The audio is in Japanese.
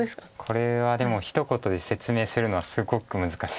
これはでもひと言で説明するのはすごく難しいです。